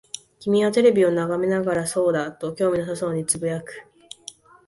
君はテレビを眺めながら、そうだ、と興味なさそうに呟く。